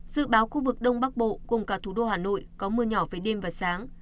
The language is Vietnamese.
dự báo khu vực đông bắc bộ cùng cả thủ đô hà nội có mưa nhỏ về đêm và sáng